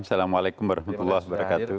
assalamualaikum warahmatullahi wabarakatuh